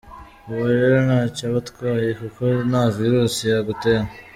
Uwo rero ntacyo aba atwaye kuko nta virusi yagutera.